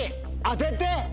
当てて！